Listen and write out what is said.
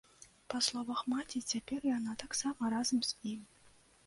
Па словах маці, цяпер яна таксама разам з ім.